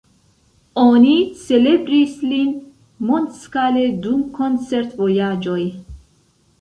Oni celebris lin mondskale dum koncert-vojaĝoj.